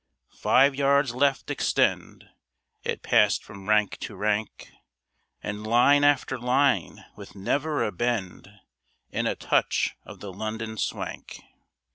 "Five yards left extend!" It passed from rank to rank, And line after line, with never a bend, And a touch of the London swank.